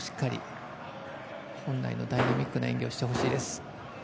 本来のダイナミックな演技をしてほしいです。